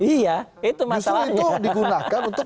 justru itu digunakan untuk